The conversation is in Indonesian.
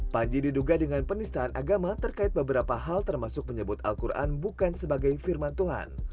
panji diduga dengan penistaan agama terkait beberapa hal termasuk menyebut al quran bukan sebagai firman tuhan